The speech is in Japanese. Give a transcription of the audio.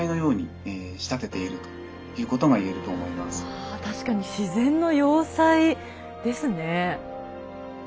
あ確かに自然の要塞ですね。